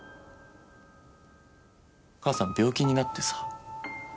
母さん病気になってさ。